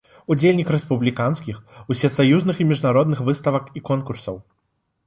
Удзельнік рэспубліканскіх, усесаюзных і міжнародных выставак і конкурсаў.